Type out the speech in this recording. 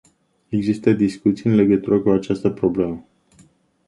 Există discuții în legătură cu această problemă.